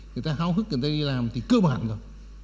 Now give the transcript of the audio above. người ta háo hức người ta đi làm thì cơ bản rồi